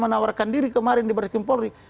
menawarkan diri kemarin di bersikim polri